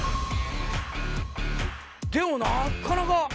でもなかなか。